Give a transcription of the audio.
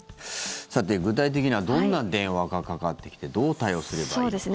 さて、具体的にはどんな電話がかかってきてどう対応すればいいのか。